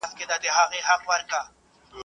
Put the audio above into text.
چي و ويشت نه سې، خبر به نه سې.